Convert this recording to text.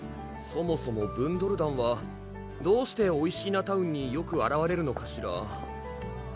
そもそもブンドル団はどうしておいしーなタウンによくあらわれるのかしら？